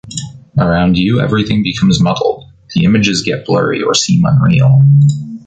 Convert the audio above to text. Around you, everything becomes muddled, the images get blurry or seem unreal.